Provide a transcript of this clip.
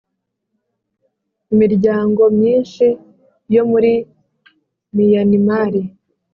Imiryango myinshi yo muri miyanimari